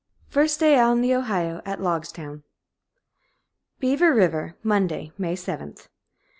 First day on the Ohio At Logstown. Beaver River, Monday, May 7th.